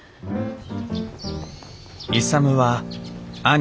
勇は兄稔